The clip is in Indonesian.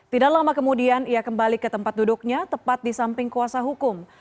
tidak lama kemudian ia kembali ke tempat duduknya tepat di samping kuasa hukum